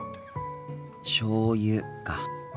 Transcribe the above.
しょうゆか。